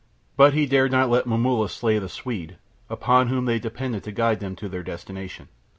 But he dared not let Momulla slay the Swede, upon whom they depended to guide them to their destination.